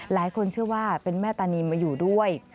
เชื่อว่าเป็นแม่ตานีมาอยู่ด้วย